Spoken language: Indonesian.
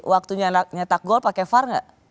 waktu nyetak gol pakai var gak